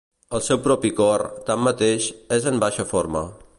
El seu propi cor, tanmateix, és en baixa forma.